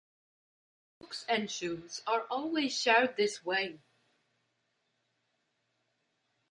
Books and shoes are also shared this way.